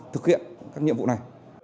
thực hiện các nhiệm vụ này